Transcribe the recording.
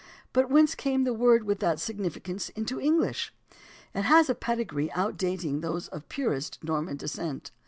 But whence came the word with that significance into English? It has a pedigree outdating those of purest Norman descent.